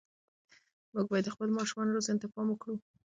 موږ باید د خپلو ماشومانو روزنې ته پام وکړو.